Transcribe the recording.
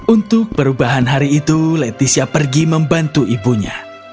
untuk perubahan hari itu leticia pergi membantu ibunya